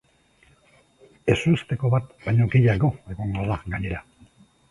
Ezusteko bat baino gehiago egongo da gainera.